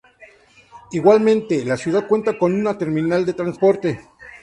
Igualmente, la ciudad cuenta con una terminal de transporte.